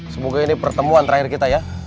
semoga ini pertemuan terakhir kita ya